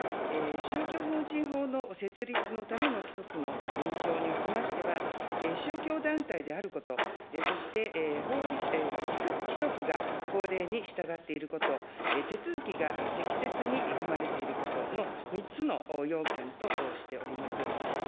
宗教法人法の設立のための規則の認証におきましては、宗教団体であること、そして規則が法令に従っていること、手続きが適切に踏まれていることの３つの要件としております。